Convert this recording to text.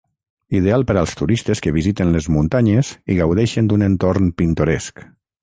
Ideal per als turistes que visiten les muntanyes i gaudeixen d'un entorn pintoresc.